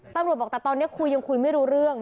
ต่างหวัดบอกตำตอนเนี้ยคุยยังไว้ยังไม่รู้เรื่อง